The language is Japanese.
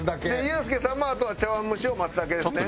ユースケさんもあとは茶碗蒸しを待つだけですね。